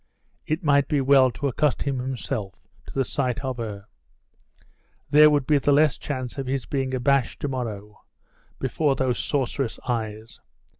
It might be well to accustom himself to the sight of her. There would be the less chance of his being abashed to morrow before those sorceress eyes.